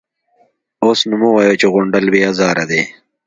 _اوس نو مه وايه چې غونډل بې ازاره دی.